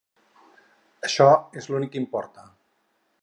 Això és l'únic que importa.